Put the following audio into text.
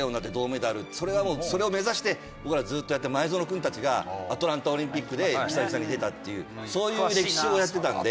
それを目指して僕らずっとやって前園君たちがアトランタオリンピックで久々に出たっていうそういう歴史をやってたんで。